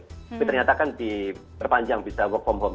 tapi ternyata kan diperpanjang bisa work from home